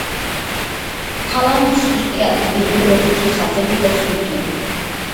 ფალანგის სუსტი ადგილი იყო გვერდითი ხაზები და ზურგი.